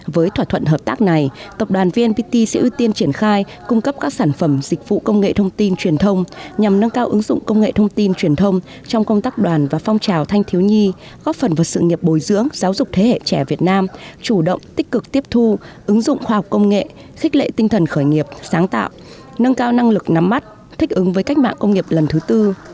với thỏa thuận hợp tác này tập đoàn vnpt sẽ ưu tiên triển khai cung cấp các sản phẩm dịch vụ công nghệ thông tin truyền thông nhằm nâng cao ứng dụng công nghệ thông tin truyền thông trong công tác đoàn và phong trào thanh thiếu nhi góp phần vào sự nghiệp bồi dưỡng giáo dục thế hệ trẻ việt nam chủ động tích cực tiếp thu ứng dụng khoa học công nghệ khích lệ tinh thần khởi nghiệp sáng tạo nâng cao năng lực nắm mắt thích ứng với cách mạng công nghiệp lần thứ tư